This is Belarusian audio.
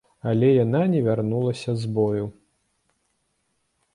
Але яна не вярнулася з бою.